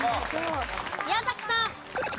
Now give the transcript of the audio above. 宮崎さん。